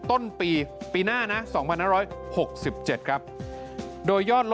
โทษภาพชาวนี้ก็จะได้ราคาใหม่